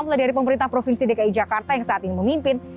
mulai dari pemerintah provinsi dki jakarta yang saat ini memimpin